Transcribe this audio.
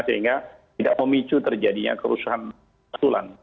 sehingga tidak memicu terjadinya kerusuhan susulan